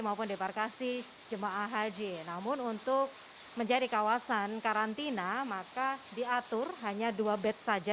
maupun deparkasi jemaah haji namun untuk menjadi kawasan karantina maka diatur hanya dua bed saja